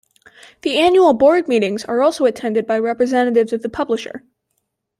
The annual board meetings are also attended by representatives of the publisher.